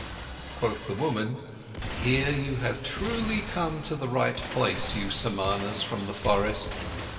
Quoth the woman: "Here, you have truly come to the right place, you Samanas from the forest.